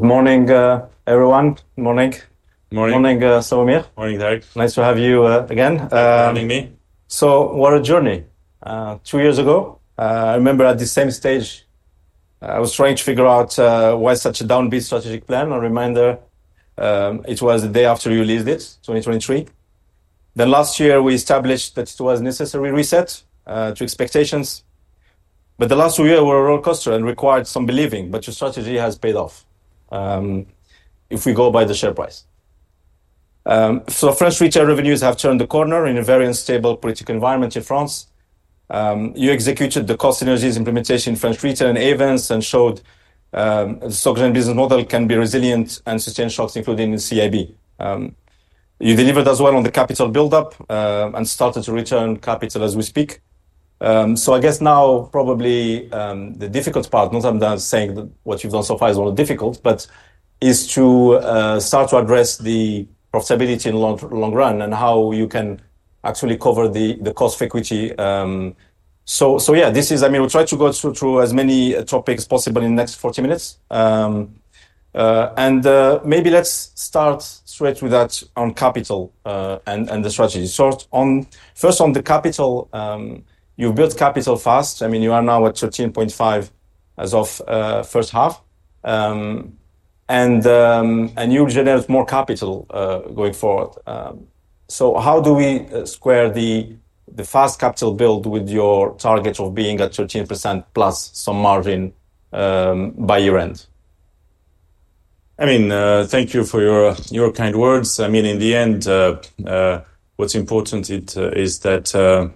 Good morning, everyone. Morning. Morning. Morning, Slawomir. Morning, Derek. Nice to have you again. Thanks for having me. What a journey. Two years ago, I remember at the same stage, I was trying to figure out why such a downbeat strategic plan. A reminder, it was the day after you leave it, 2023. Last year, we established that it was a necessary reset to expectations. The last two years were a roller coaster and required some believing, but your strategy has paid off if we go by the share price. French retail revenues have turned the corner in a very unstable political environment in France. You executed the Cost Energies implementation in French retail in Avence and showed the stock and business model can be resilient and sustain shocks, including in CIB. You delivered as well on the capital buildup and started to return capital as we speak. I guess now probably the difficult part, not that I'm saying that what you've done so far is not difficult, but is to start to address the profitability in the long run and how you can actually cover the cost of equity. This is, I mean, we'll try to go through as many topics as possible in the next 40 minutes. Maybe let's start straight with that on capital and the strategy. First, on the capital, you built capital fast. You are now at 13.5% as of the first half, and you've generated more capital going forward. How do we square the fast capital build with your target of being at 13%+ some margin by year end? Thank you for your kind words. In the end, what's important is that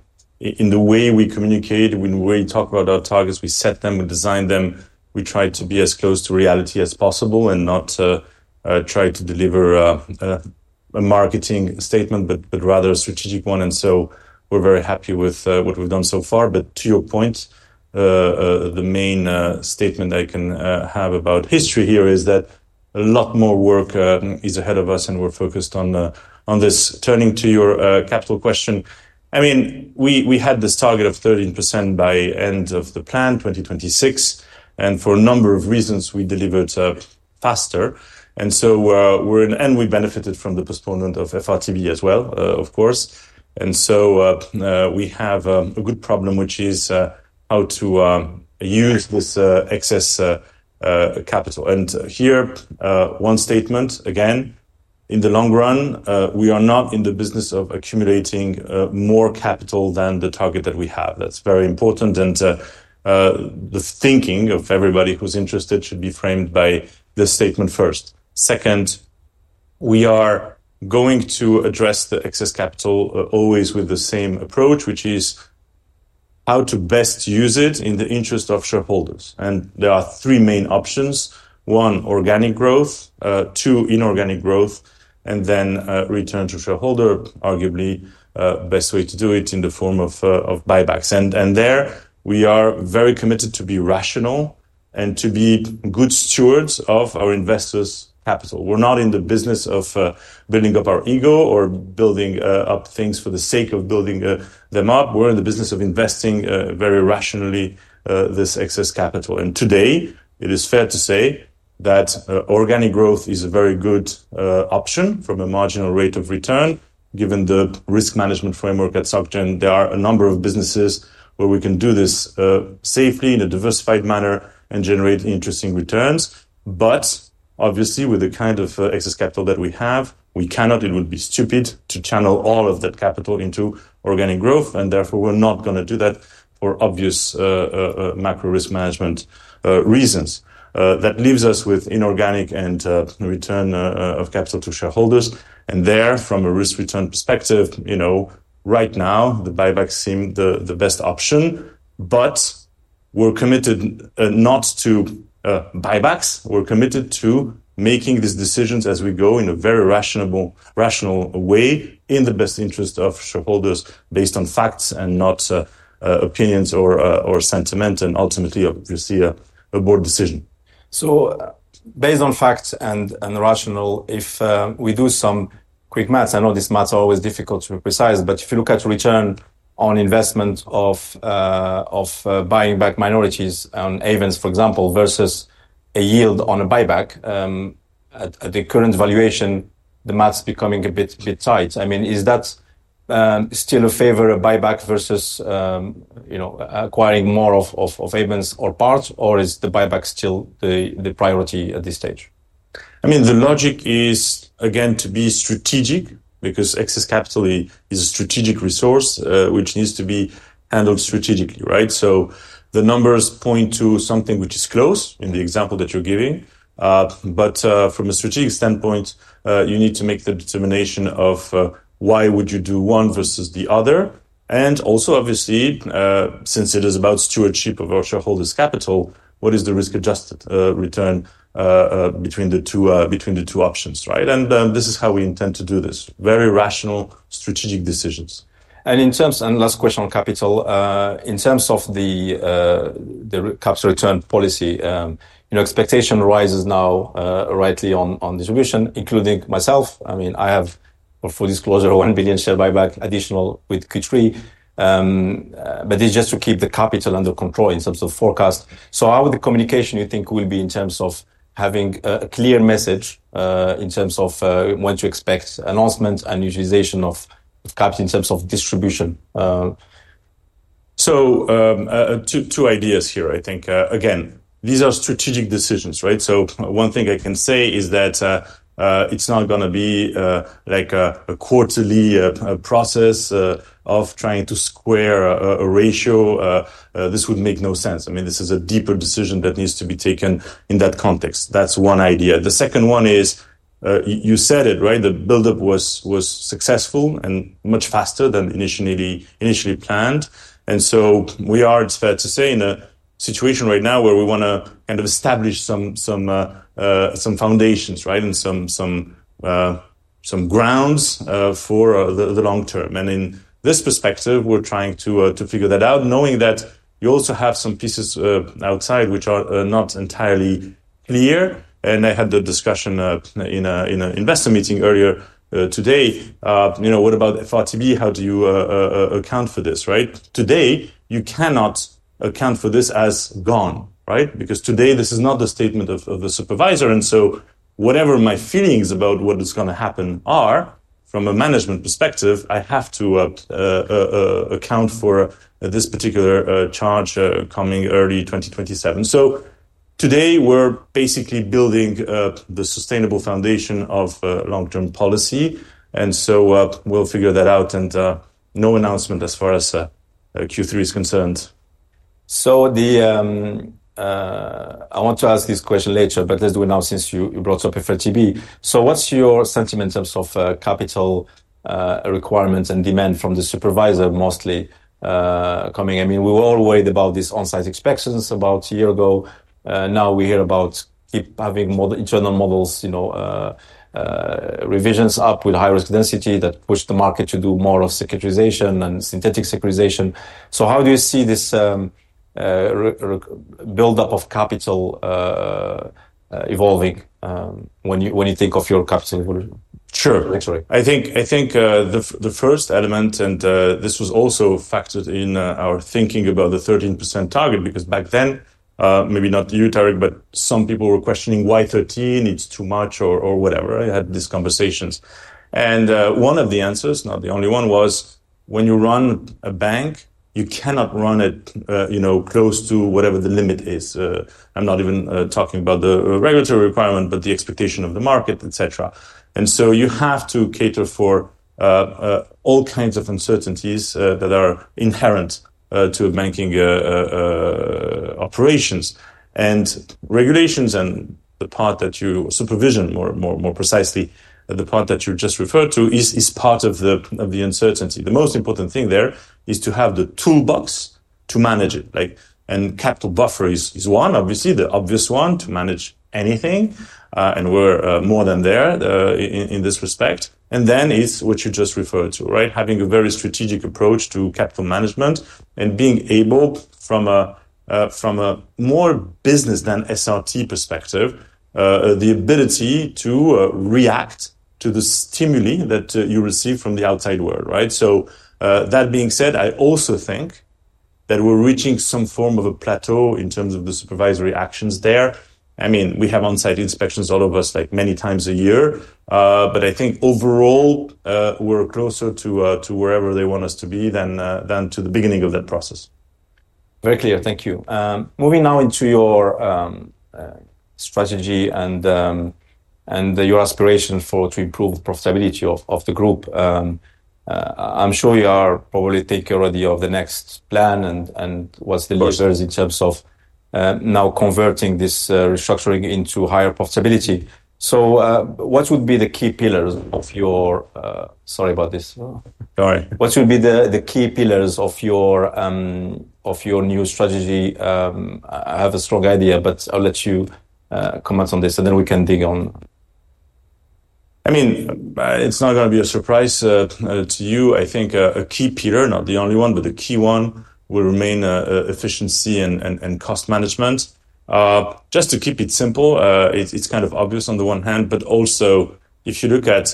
in the way we communicate, when we talk about our targets, we set them, we design them, we try to be as close to reality as possible and not try to deliver a marketing statement, but rather a strategic one. We're very happy with what we've done so far. To your point, the main statement I can have about history here is that a lot more work is ahead of us and we're focused on this. Turning to your capital question, we had this target of 13% by the end of the plan, 2026. For a number of reasons, we delivered faster. We benefited from the postponement of the FRTB as well, of course. We have a good problem, which is how to use this excess capital. One statement again, in the long run, we are not in the business of accumulating more capital than the target that we have. That's very important. The thinking of everybody who's interested should be framed by this statement first. Second, we are going to address the excess capital always with the same approach, which is how to best use it in the interest of shareholders. There are three main options. One, organic growth. Two, inorganic growth. Then, return to shareholder, arguably the best way to do it in the form of buybacks. We are very committed to be rational and to be good stewards of our investors' capital. We're not in the business of building up our ego or building up things for the sake of building them up. We're in the business of investing very rationally this excess capital. Today, it is fair to say that organic growth is a very good option from a marginal rate of return, given the risk management framework at Société Générale. There are a number of businesses where we can do this safely in a diversified manner and generate interesting returns. Obviously, with the kind of excess capital that we have, we cannot, it would be stupid to channel all of that capital into organic growth. Therefore, we're not going to do that for obvious macro risk management reasons. That leaves us with inorganic and return of capital to shareholders. From a risk return perspective, right now, the buybacks seem the best option. We're committed not to buybacks. We're committed to making these decisions as we go in a very rational way in the best interest of shareholders based on facts and not opinions or sentiment and ultimately, obviously, a board decision. Based on facts and rational, if we do some quick math, I know these maths are always difficult to be precise, but if you look at return on investment of buying back minorities on Avence, for example, versus a yield on a buyback at the current valuation, the math's becoming a bit tight. I mean, is that still a favor of buyback versus, you know, acquiring more of Avence or parts, or is the buyback still the priority at this stage? I mean, the logic is, again, to be strategic because excess capital is a strategic resource, which needs to be handled strategically, right? The numbers point to something which is close in the example that you're giving. From a strategic standpoint, you need to make the determination of why would you do one versus the other. Also, obviously, since it is about stewardship of our shareholders' capital, what is the risk-adjusted return between the two options, right? This is how we intend to do this. Very rational, strategic decisions. In terms of the capital return policy, expectation rises now rightly on distribution, including myself. I mean, I have, for full disclosure, a €1 billion share buyback additional with Q3. It's just to keep the capital under control in terms of forecast. How would the communication you think will be in terms of having a clear message in terms of what to expect, announcement and utilization of caps in terms of distribution? Two ideas here. I think, again, these are strategic decisions, right? One thing I can say is that it's not going to be like a quarterly process of trying to square a ratio. This would make no sense. I mean, this is a deeper decision that needs to be taken in that context. That's one idea. The second one is, you said it, right? The buildup was successful and much faster than initially planned. We are, it's fair to say, in a situation right now where we want to kind of establish some foundations, right, and some grounds for the long term. In this perspective, we're trying to figure that out, knowing that you also have some pieces outside which are not entirely clear. I had the discussion in an investor meeting earlier today. You know, what about the FRTB? How do you account for this, right? Today, you cannot account for this as gone, right? Because today, this is not the statement of a supervisor. Whatever my feelings about what is going to happen are, from a management perspective, I have to account for this particular charge coming early 2027. Today, we're basically building the sustainable foundation of long-term policy. We'll figure that out. No announcement as far as Q3 is concerned. I want to ask this question later, but as we know, since you brought up FRTB, what's your sentiment in terms of capital requirements and demand from the supervisor mostly coming? I mean, we were all worried about these on-site inspections about a year ago. Now we hear about having more internal models, you know, revisions up with high-risk density that push the market to do more of securitization and synthetic securitization. How do you see this buildup of capital evolving when you think of your capital evolution? Sure, actually. I think the first element, and this was also factored in our thinking about the 13% target, because back then, maybe not you, Derek, but some people were questioning why 13%, it's too much or whatever. I had these conversations. One of the answers, not the only one, was when you run a bank, you cannot run it, you know, close to whatever the limit is. I'm not even talking about the regulatory requirement, but the expectation of the market, etc. You have to cater for all kinds of uncertainties that are inherent to banking operations. Regulations and the part that you supervision more precisely, the part that you just referred to is part of the uncertainty. The most important thing there is to have the toolbox to manage it. Like, and capital buffer is one, obviously, the obvious one to manage anything. We're more than there in this respect. Then is what you just referred to, right? Having a very strategic approach to capital management and being able, from a more business than SRT perspective, the ability to react to the stimuli that you receive from the outside world, right? That being said, I also think that we're reaching some form of a plateau in terms of the supervisory actions there. I mean, we have on-site inspections, all of us, like many times a year. I think overall, we're closer to wherever they want us to be than to the beginning of that process. Very clear. Thank you. Moving now into your strategy and your aspiration for improving the profitability of the group, I'm sure you are probably taking care already of the next plan and what’s the leaders in terms of now converting this restructuring into higher profitability. What would be the key pillars of your, sorry about this. Sorry. What would be the key pillars of your new strategy? I have a strong idea, but I'll let you comment on this and then we can dig on. I mean, it's not going to be a surprise to you. I think a key pillar, not the only one, but the key one will remain efficiency and cost management. Just to keep it simple, it's kind of obvious on the one hand, but also if you look at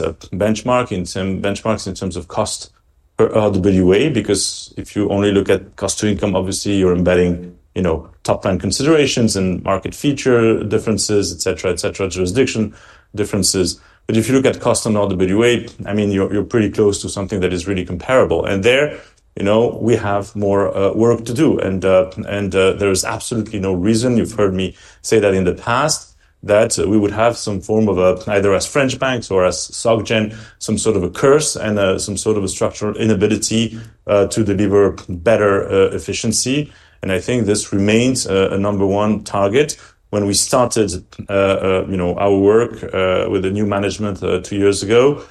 benchmarks in terms of cost per RWA, because if you only look at cost to income, obviously you're embedding, you know, top 10 considerations and market feature differences, etc., etc., jurisdiction differences. If you look at cost on RWA, I mean, you're pretty close to something that is really comparable. There, you know, we have more work to do. There's absolutely no reason, you've heard me say that in the past, that we would have some form of either as French banks or as Société Générale some sort of a curse and some sort of a structured inability to deliver better efficiency. I think this remains a number one target. When we started our work with the new management two years ago,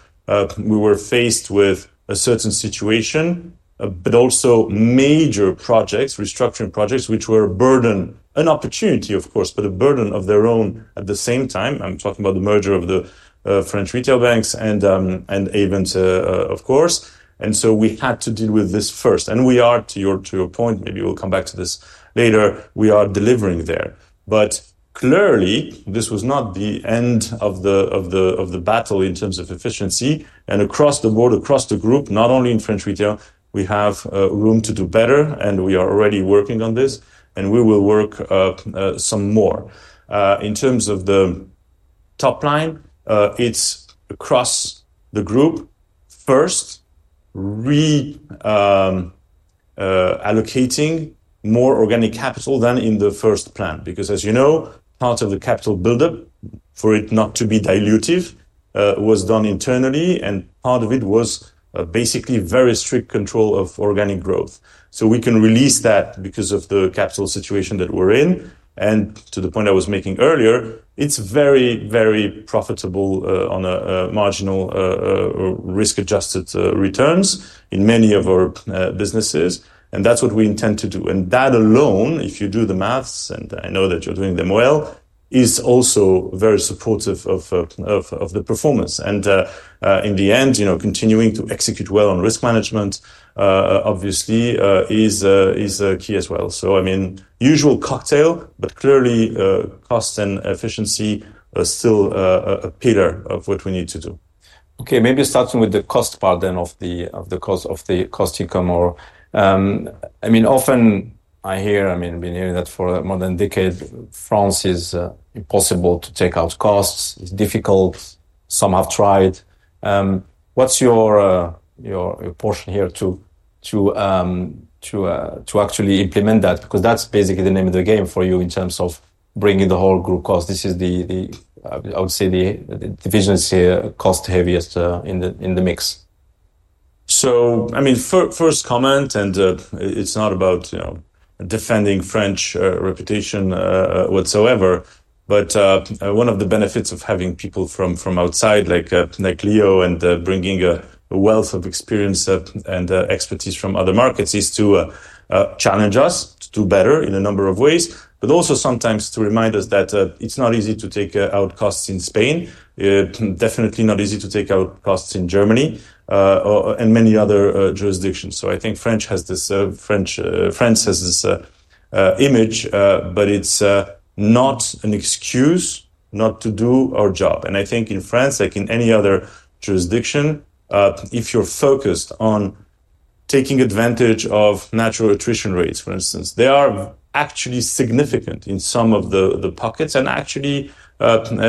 we were faced with a certain situation, but also major projects, restructuring projects, which were a burden, an opportunity, of course, but a burden of their own at the same time. I'm talking about the merger of the French retail banks and Avence, of course. We had to deal with this first. We are, to your point, maybe we'll come back to this later, we are delivering there. Clearly, this was not the end of the battle in terms of efficiency. Across the board, across the group, not only in French retail, we have room to do better and we are already working on this and we will work some more. In terms of the top line, it's across the group first, reallocating more organic capital than in the first plan. As you know, part of the capital buildup for it not to be dilutive was done internally and part of it was basically very strict control of organic growth. We can release that because of the capital situation that we're in. To the point I was making earlier, it's very, very profitable on a marginal risk-adjusted returns in many of our businesses. That's what we intend to do. That alone, if you do the maths, and I know that you're doing them well, is also very supportive of the performance. In the end, you know, continuing to execute well on risk management, obviously, is key as well. I mean, usual cocktail, but clearly cost and efficiency are still a pillar of what we need to do. Okay, maybe starting with the cost part of the Crédit du Nord. I mean, often I hear, I mean, I've been hearing that for more than a decade, France is impossible to take out costs. It's difficult. Some have tried. What's your position here to actually implement that? Because that's basically the name of the game for you in terms of bringing the whole group cost. This is, I would say, the division's cost heaviest in the mix. First comment, and it's not about, you know, defending French reputation whatsoever, but one of the benefits of having people from outside like Leo and bringing a wealth of experience and expertise from other markets is to challenge us to do better in a number of ways, but also sometimes to remind us that it's not easy to take out costs in Spain. Definitely not easy to take out costs in Germany and many other jurisdictions. I think France has this image, but it's not an excuse not to do our job. I think in France, like in any other jurisdiction, if you're focused on taking advantage of natural attrition rates, for instance, they are actually significant in some of the pockets and actually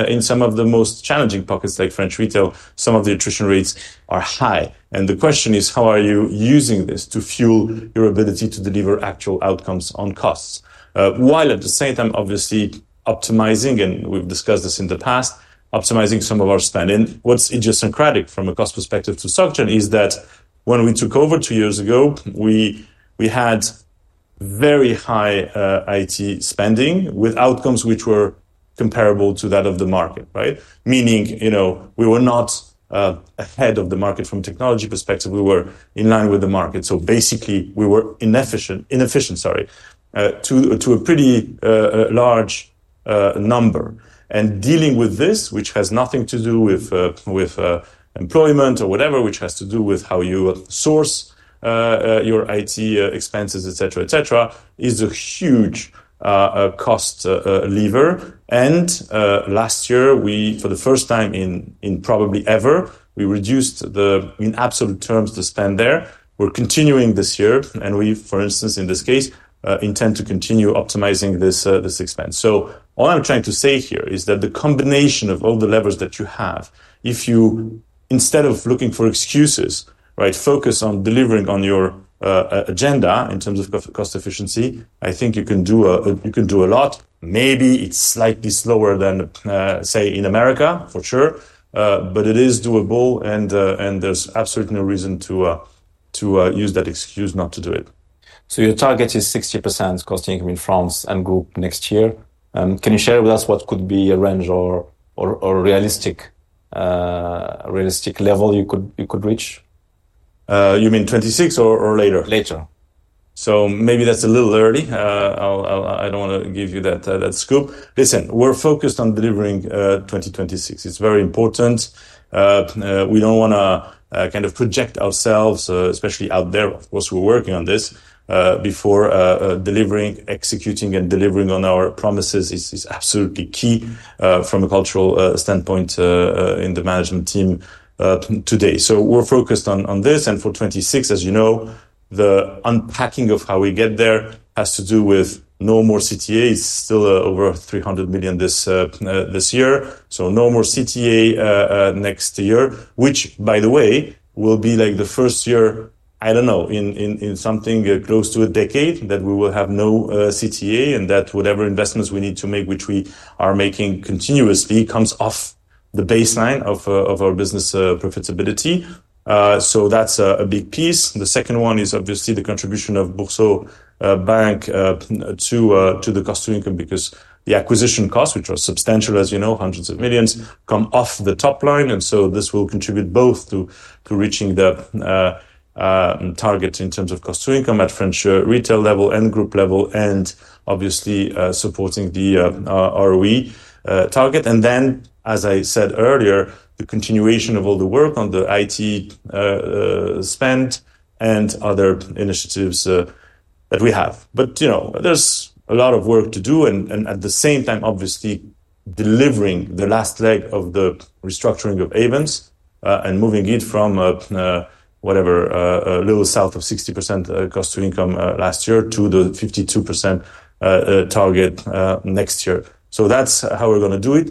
in some of the most challenging pockets like French retail, some of the attrition rates are high. The question is, how are you using this to fuel your ability to deliver actual outcomes on costs? While at the same time, obviously optimizing, and we've discussed this in the past, optimizing some of our spending. What's idiosyncratic from a cost perspective to Société Générale is that when we took over two years ago, we had very high IT spending with outcomes which were comparable to that of the market, right? Meaning, you know, we were not ahead of the market from a technology perspective. We were in line with the market. Basically, we were inefficient, sorry, to a pretty large number. Dealing with this, which has nothing to do with employment or whatever, which has to do with how you source your IT expenses, etc., etc., is a huge cost lever. Last year, we, for the first time in probably ever, reduced the, in absolute terms, the spend there. We're continuing this year. We, for instance, in this case, intend to continue optimizing this expense. All I'm trying to say here is that the combination of all the levers that you have, if you, instead of looking for excuses, right, focus on delivering on your agenda in terms of cost efficiency, I think you can do a lot. Maybe it's slightly slower than, say, in America, for sure, but it is doable and there's absolutely no reason to use that excuse not to do it. Your target is 60% cost income in France and group next year. Can you share with us what could be a range or a realistic level you could reach? You mean 2026 or later? Later. Maybe that's a little early. I don't want to give you that scoop. Listen, we're focused on delivering 2026. It's very important. We don't want to kind of project ourselves, especially out there. Of course, we're working on this before delivering, executing, and delivering on our promises is absolutely key from a cultural standpoint in the management team today. We're focused on this. For 2026, as you know, the unpacking of how we get there has to do with no more CTA. It's still over $300 million this year. No more CTA next year, which, by the way, will be like the first year, I don't know, in something close to a decade that we will have no CTA and that whatever investments we need to make, which we are making continuously, comes off the baseline of our business profitability. That's a big piece. The second one is obviously the contribution of Boursorama Bank to the cost of income because the acquisition costs, which are substantial, as you know, hundreds of millions, come off the top line. This will contribute both to reaching the target in terms of cost of income at French Retail Banking level and group level and obviously supporting the ROE target. As I said earlier, the continuation of all the work on the IT spend and other initiatives that we have. There's a lot of work to do. At the same time, obviously delivering the last leg of the restructuring of Avence and moving it from whatever, a little south of 60% cost of income last year to the 52% target next year. That's how we're going to do it.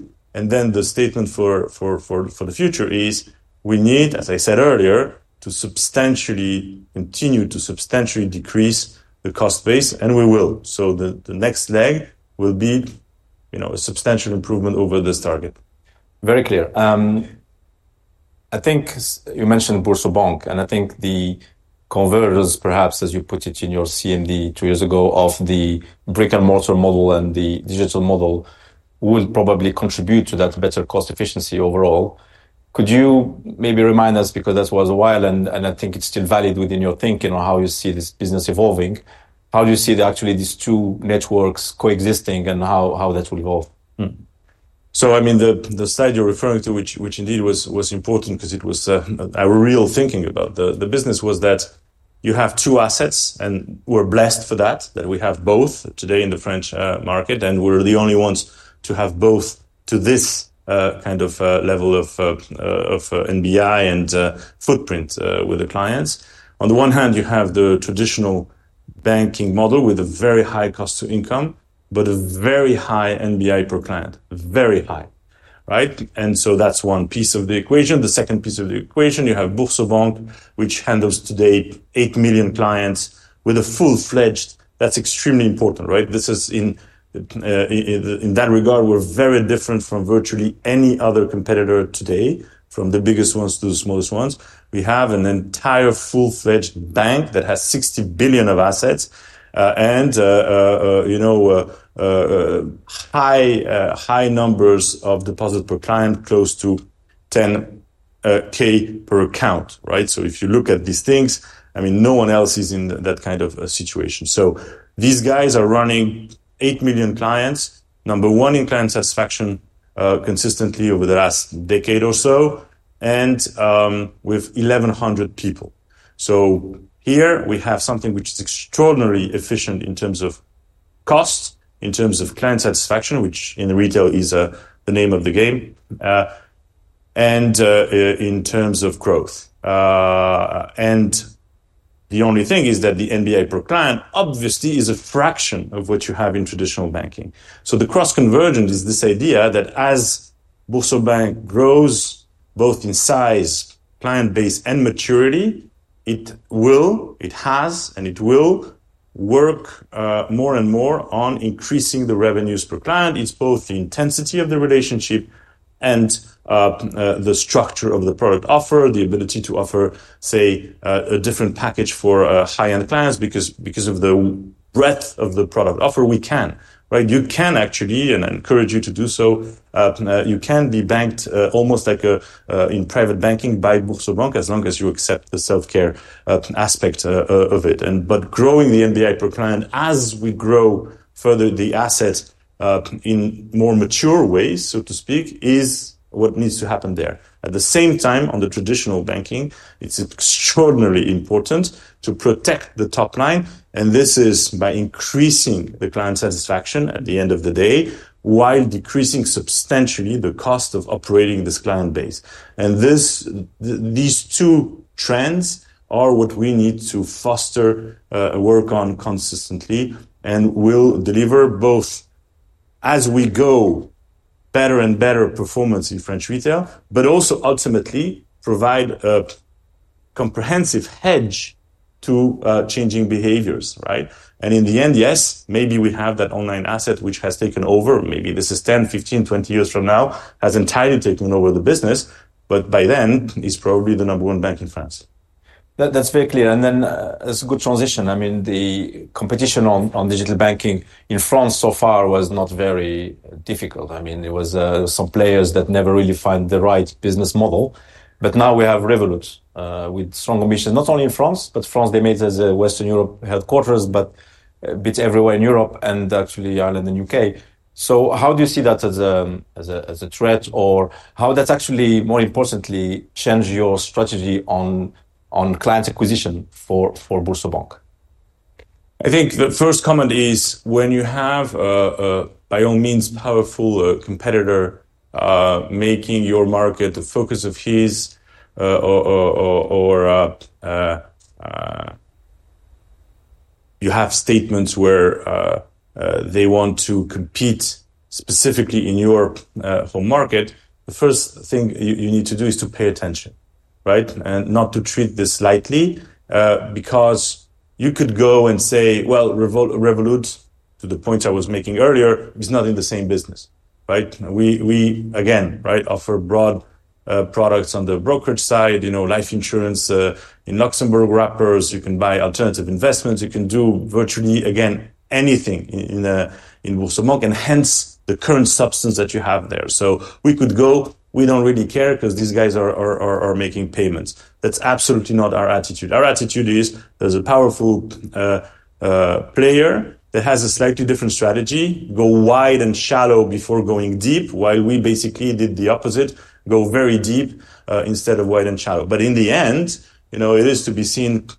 The statement for the future is we need, as I said earlier, to substantially continue to substantially decrease the cost base. We will. The next leg will be a substantial improvement over this target. Very clear. I think you mentioned BoursoBank and I think the converters, perhaps, as you put it in your CMD two years ago, of the brick and mortar model and the digital model will probably contribute to that better cost efficiency overall. Could you maybe remind us, because that was a while and I think it's still valid within your thinking on how you see this business evolving, how do you see actually these two networks coexisting and how that will evolve? I mean, the side you're referring to, which indeed was important because it was a real thinking about the business, was that you have two assets and we're blessed for that, that we have both today in the French market and we're the only ones to have both to this kind of level of NBI and footprint with the clients. On the one hand, you have the traditional banking model with a very high cost of income, but a very high NBI per client, very high, right? That's one piece of the equation. The second piece of the equation, you have Boursorama Bank, which handles today 8 million clients with a full-fledged. That's extremely important, right? In that regard, we're very different from virtually any other competitor today, from the biggest ones to the smallest ones. We have an entire full-fledged bank that has €60 billion of assets and, you know, high numbers of deposit per client, close to €10,000 per account, right? If you look at these things, no one else is in that kind of a situation. These guys are running 8 million clients, number one in client satisfaction consistently over the last decade or so, and with 1,100 people. Here we have something which is extraordinarily efficient in terms of costs, in terms of client satisfaction, which in retail is the name of the game, and in terms of growth. The only thing is that the NBI per client obviously is a fraction of what you have in traditional banking. The cross-convergence is this idea that as BoursoBank grows both in size, client base, and maturity, it will, it has, and it will work more and more on increasing the revenues per client. It's both the intensity of the relationship and the structure of the product offer, the ability to offer, say, a different package for high-end clients because of the breadth of the product offer we can, right? You can actually, and I encourage you to do so, you can be banked almost like in private banking by BoursoBank as long as you accept the self-care aspect of it. Growing the NBI per client as we grow further the assets in more mature ways, so to speak, is what needs to happen there. At the same time, on the traditional banking, it's extraordinarily important to protect the top line. This is by increasing the client satisfaction at the end of the day while decreasing substantially the cost of operating this client base. These two trends are what we need to foster, work on consistently, and will deliver both as we go, better and better performance in French retail, but also ultimately provide a comprehensive hedge to changing behaviors, right? In the end, yes, maybe we have that online asset which has taken over, maybe this is 10 years, 15 years, 20 years from now, has entirely taken over the business, but by then it's probably the number one bank in France. That's very clear. It's a good transition. The competition on digital banking in France so far was not very difficult. There were some players that never really found the right business model. Now we have Revolut with strong ambitions, not only in France, but France is their Western Europe headquarters, and a bit everywhere in Europe, actually Ireland and the UK. How do you see that as a threat, or how does that actually, more importantly, change your strategy on client acquisition for BoursoBank? I think the first comment is when you have a, by all means, powerful competitor making your market the focus of his, or you have statements where they want to compete specifically in Europe for market, the first thing you need to do is to pay attention, right? Not to treat this lightly because you could go and say, Revolut, to the point I was making earlier, is not in the same business, right? We, again, offer broad products on the brokerage side, you know, life insurance in Luxembourg wrappers, you can buy alternative investments, you can do virtually, again, anything in BoursoBank and hence the current substance that you have there. We could go, we don't really care because these guys are making payments. That's absolutely not our attitude. Our attitude is there's a powerful player that has a slightly different strategy, go wide and shallow before going deep, while we basically did the opposite, go very deep instead of wide and shallow. In the end, you know, it is to be seen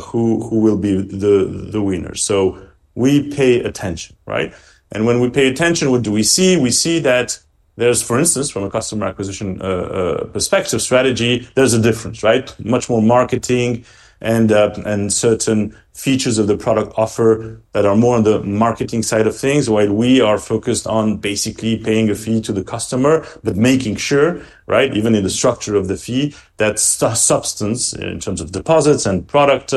who will be the winner. We pay attention, right? When we pay attention, what do we see? We see that there's, for instance, from a customer acquisition perspective, strategy, there's a difference, right? Much more marketing and certain features of the product offer that are more on the marketing side of things, while we are focused on basically paying a fee to the customer, but making sure, right, even in the structure of the fee, that substance in terms of deposits and product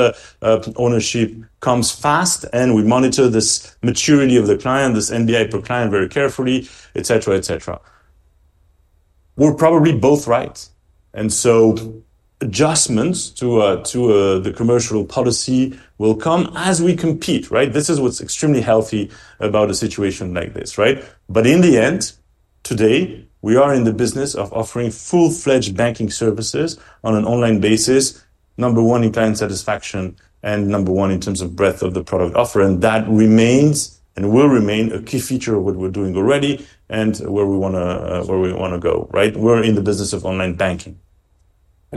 ownership comes fast and we monitor this maturity of the client, this NBI per client very carefully, etc., etc. We're probably both right. Adjustments to the commercial policy will come as we compete, right? This is what's extremely healthy about a situation like this, right? In the end, today we are in the business of offering full-fledged banking services on an online basis, number one in client satisfaction and number one in terms of breadth of the product offer. That remains and will remain a key feature of what we're doing already and where we want to go, right? We're in the business of online banking.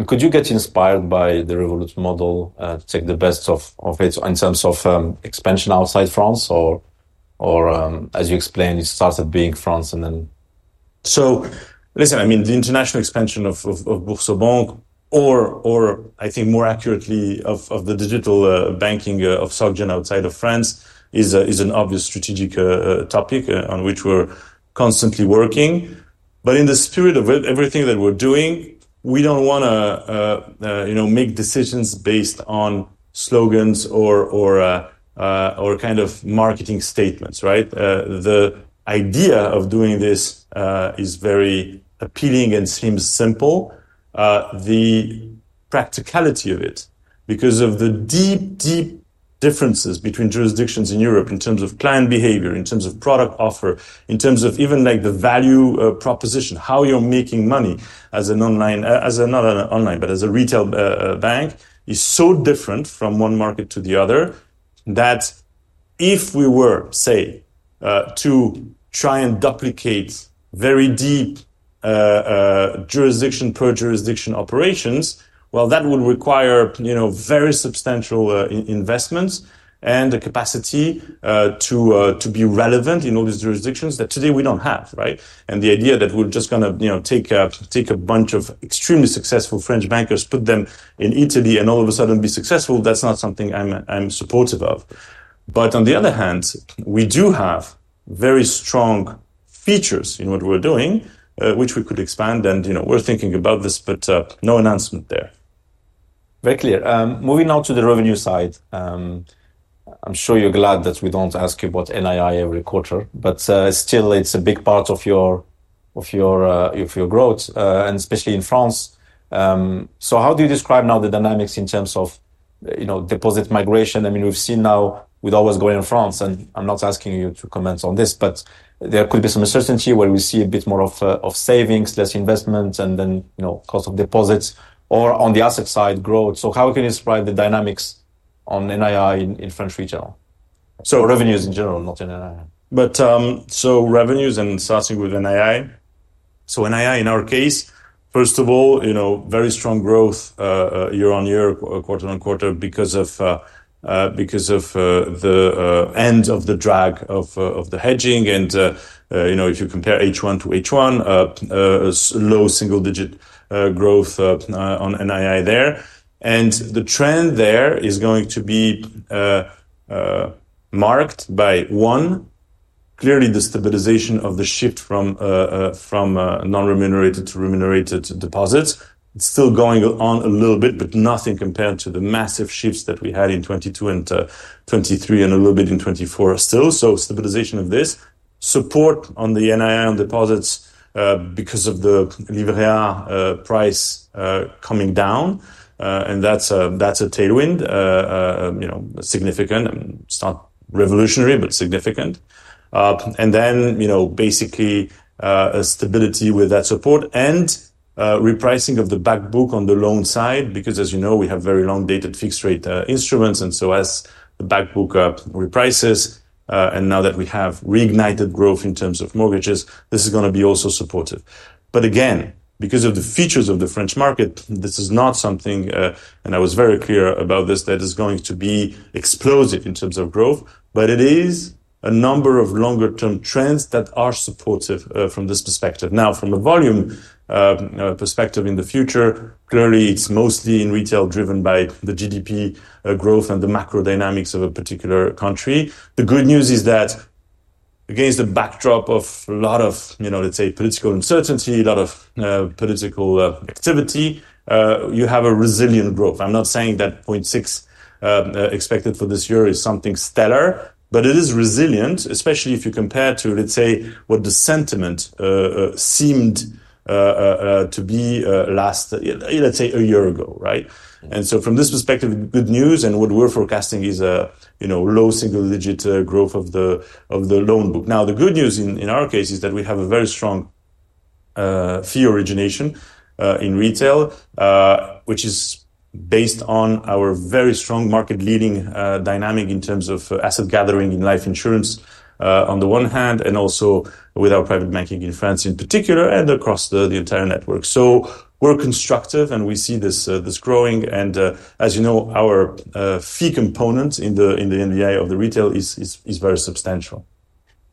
Could you get inspired by the Revolut model to take the best of it in terms of expansion outside France, or as you explained, it starts at being France and then. Listen, I mean, the international expansion of BoursoBank or, I think more accurately, of the digital banking of SoGé outside of France is an obvious strategic topic on which we're constantly working. In the spirit of everything that we're doing, we don't want to, you know, make decisions based on slogans or kind of marketing statements, right? The idea of doing this is very appealing and seems simple. The practicality of it, because of the deep, deep differences between jurisdictions in Europe in terms of client behavior, in terms of product offer, in terms of even like the value proposition, how you're making money as an online, as an online, but as a retail bank, is so different from one market to the other that if we were, say, to try and duplicate very deep jurisdiction per jurisdiction operations, that would require, you know, very substantial investments and the capacity to be relevant in all these jurisdictions that today we don't have, right? The idea that we're just going to, you know, take a bunch of extremely successful French bankers, put them in Italy and all of a sudden be successful, that's not something I'm supportive of. On the other hand, we do have very strong features in what we're doing, which we could expand. We're thinking about this, but no announcement there. Very clear. Moving now to the revenue side, I'm sure you're glad that we don't ask you about NII every quarter, but still, it's a big part of your growth and especially in France. How do you describe now the dynamics in terms of, you know, deposit migration? We've seen now with always going in France, and I'm not asking you to comment on this, but there could be some uncertainty where we see a bit more of savings, less investment, and then, you know, cost of deposits or on the asset side growth. How can you describe the dynamics on NII in French retail? Revenues in general, not NII. Revenues and starting with NII. NII in our case, first of all, very strong growth year on year, quarter on quarter, because of the end of the drag of the hedging. If you compare H1 to H1, a low single-digit growth on NII there. The trend there is going to be marked by, one, clearly the stabilization of the shift from non-remunerated to remunerated deposits. It's still going on a little bit, but nothing compared to the massive shifts that we had in 2022 and 2023 and a little bit in 2024 still. Stabilization of this, support on the NII on deposits because of the livret A price coming down. That's a tailwind, significant. It's not revolutionary, but significant. Basically a stability with that support and repricing of the backbook on the loan side because, as you know, we have very long-dated fixed-rate instruments. As the backbook reprices, and now that we have reignited growth in terms of mortgages, this is going to be also supported. Again, because of the features of the French market, this is not something, and I was very clear about this, that is going to be explosive in terms of growth. It is a number of longer-term trends that are supportive from this perspective. Now, from a volume perspective in the future, clearly it's mostly in retail driven by the GDP growth and the macro dynamics of a particular country. The good news is that against the backdrop of a lot of political uncertainty, a lot of political activity, you have a resilient growth. I'm not saying that 0.6% expected for this year is something stellar, but it is resilient, especially if you compare to what the sentiment seemed to be a year ago. From this perspective, good news. What we're forecasting is a low single-digit growth of the loan book. The good news in our case is that we have a very strong fee origination in retail, which is based on our very strong market-leading dynamic in terms of asset gathering in life insurance on the one hand and also with our private banking in France in particular and across the entire network. We're constructive and we see this growing. As you know, our fee component in the NBI of the retail is very substantial.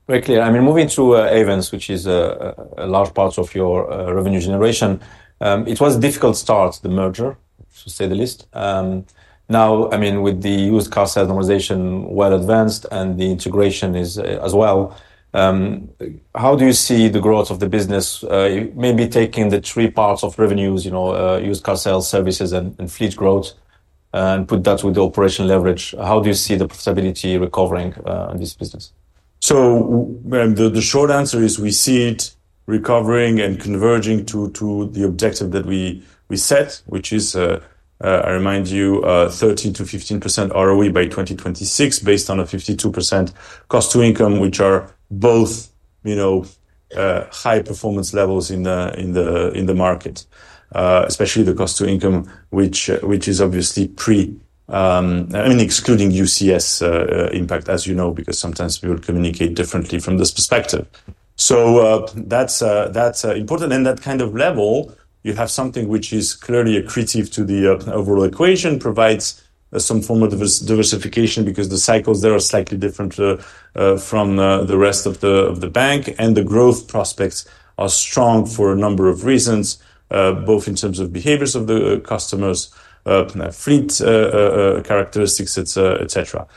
Very clear. I mean, moving to Avence, which is a large part of your revenue generation, it was a difficult start, the merger, to say the least. Now, with the used car sales normalization well advanced and the integration as well, how do you see the growth of the business, maybe taking the three parts of revenues, you know, used car sales, services, and fleet growth, and put that with the operation leverage? How do you see the profitability recovering in this business? The short answer is we see it recovering and converging to the objective that we set, which is, I remind you, 13%-15% ROE by 2026 based on a 52% cost to income, which are both, you know, high performance levels in the market, especially the cost to income, which is obviously excluding UCS impact, as you know, because sometimes we would communicate differently from this perspective. That's important. At that kind of level, you have something which is clearly accretive to the overall equation, provides some form of diversification because the cycles there are slightly different from the rest of the bank. The growth prospects are strong for a number of reasons, both in terms of behaviors of the customers, fleet characteristics, etc.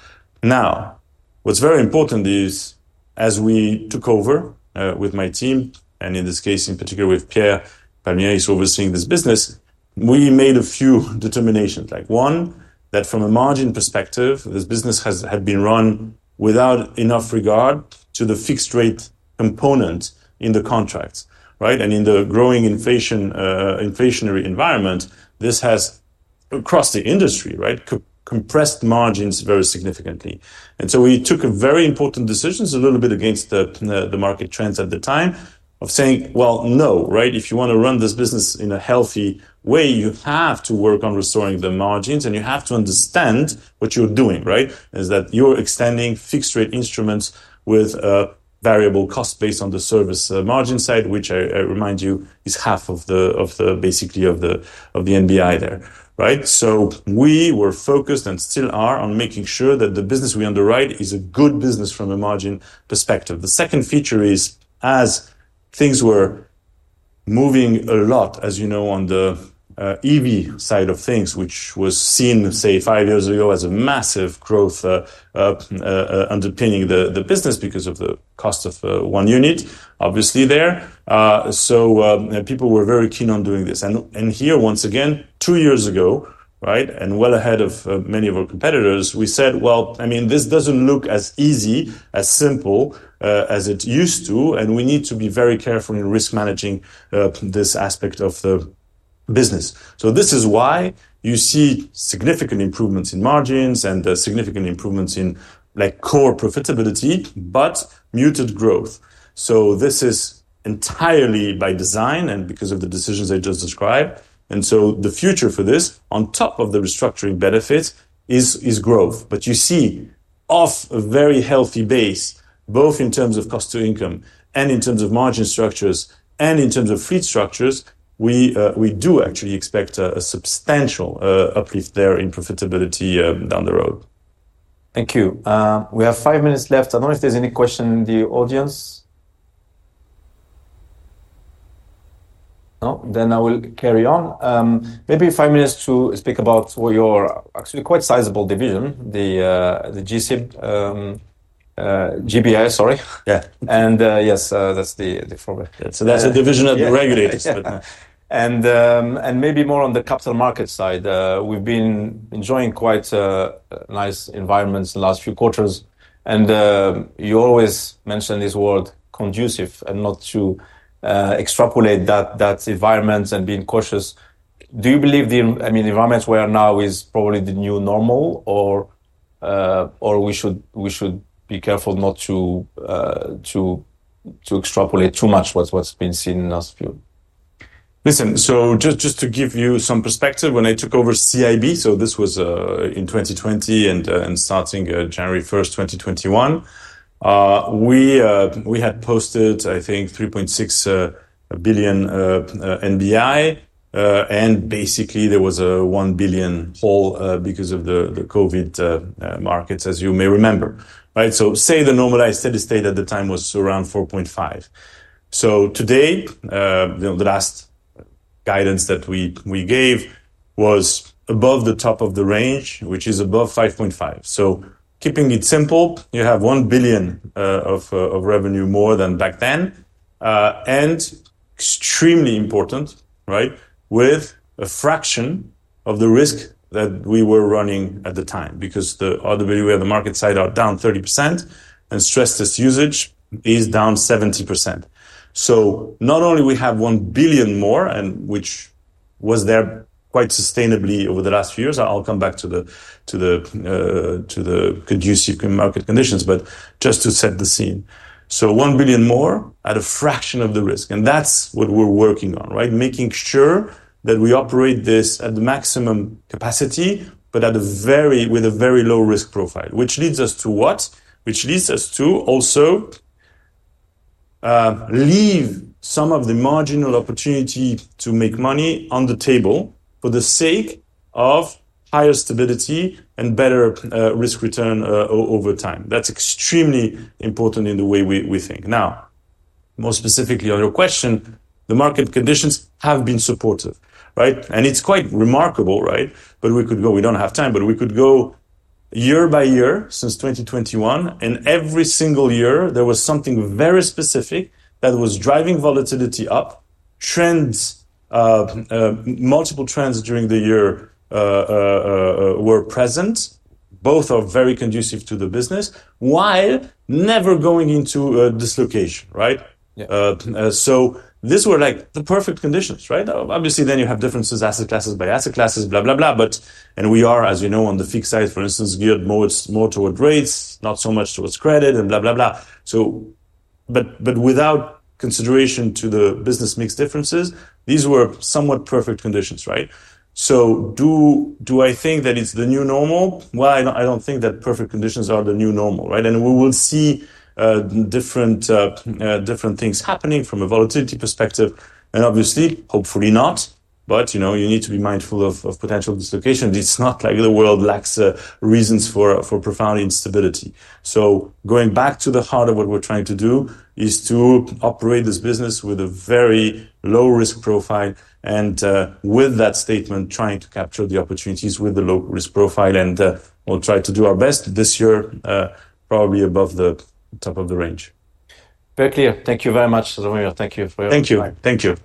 What's very important is, as we took over with my team, and in this case, in particular with Pierre, who is overseeing this business, we made a few determinations. One, that from a margin perspective, this business had been run without enough regard to the fixed-rate component in the contracts, right? In the growing inflationary environment, this has, across the industry, compressed margins very significantly. We took a very important decision, a little bit against the market trends at the time, of saying, no, right? If you want to run this business in a healthy way, you have to work on restoring the margins and you have to understand what you're doing, right? You're extending fixed-rate instruments with a variable cost based on the service margin side, which I remind you is half of the, basically, of the NBI there, right? We were focused and still are on making sure that the business we underwrite is a good business from a margin perspective. The second feature is, as things were moving a lot, as you know, on the EV side of things, which was seen, say, five years ago as a massive growth underpinning the business because of the cost of one unit, obviously there. People were very keen on doing this. Here, once again, two years ago, and well ahead of many of our competitors, we said, I mean, this doesn't look as easy, as simple as it used to, and we need to be very careful in risk managing this aspect of the business. This is why you see significant improvements in margins and significant improvements in core profitability, but muted growth. This is entirely by design and because of the decisions I just described. The future for this, on top of the restructuring benefits, is growth. You see, off a very healthy base, both in terms of cost to income and in terms of margin structures and in terms of fleet structures, we do actually expect a substantial uplift there in profitability down the road. Thank you. We have five minutes left. I don't know if there's any question in the audience. No, I will carry on. Maybe five minutes to speak about what is actually quite a sizable division, the GBS, sorry. Yeah. Yes, that's the forward. That's a division of the regulators. Maybe more on the capital market side, we've been enjoying quite nice environments in the last few quarters. You always mention this word, conducive, and not to extrapolate that environment and being cautious. Do you believe the environment we are now is probably the new normal or we should be careful not to extrapolate too much what's been seen in the last few? Listen, just to give you some perspective, when I took over CIB, this was in 2020 and starting January 1, 2021, we had posted, I think, $3.6 billion NBI and basically there was a $1 billion hole because of the COVID markets, as you may remember. Right. The normalized steady state at the time was around $4.5 billion. Today, the last guidance that we gave was above the top of the range, which is above $5.5 billion. Keeping it simple, you have $1 billion of revenue more than back then. Extremely important, with a fraction of the risk that we were running at the time because the RWA and the market side are down 30% and stress test usage is down 70%. Not only do we have $1 billion more, which was there quite sustainably over the last few years, I'll come back to the conducive market conditions, but just to set the scene. $1 billion more at a fraction of the risk. That's what we're working on, making sure that we operate this at the maximum capacity, but with a very low risk profile, which leads us to what? It leads us to also leave some of the marginal opportunity to make money on the table for the sake of higher stability and better risk return over time. That's extremely important in the way we think. More specifically on your question, the market conditions have been supportive, and it's quite remarkable. We could go, we don't have time, but we could go year by year since 2021, and every single year there was something very specific that was driving volatility up. Trends, multiple trends during the year were present. Both are very conducive to the business while never going into dislocation. These were like the perfect conditions. Obviously, then you have differences, asset classes by asset classes, blah, blah, blah. As you know, on the fixed side, for instance, we are geared more toward rates, not so much towards credit and blah, blah, blah. Without consideration to the business mix differences, these were somewhat perfect conditions. Do I think that it's the new normal? I don't think that perfect conditions are the new normal, right? We will see different things happening from a volatility perspective. Obviously, hopefully not, but you need to be mindful of potential dislocation. It's not like the world lacks reasons for profound instability. Going back to the heart of what we're trying to do is to operate this business with a very low risk profile, and with that statement, trying to capture the opportunities with the low risk profile. We'll try to do our best this year, probably above the top of the range. Very clear. Thank you very much, Slawomir. Thank you for your time. Thank you.